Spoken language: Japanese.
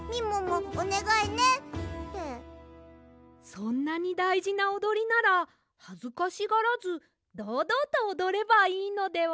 そんなにだいじなおどりならはずかしがらずどうどうとおどればいいのでは？